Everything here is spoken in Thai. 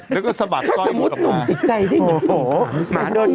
แล้วก็สะบัดสร้อยสมมุติหนุ่มจิตใจด้วย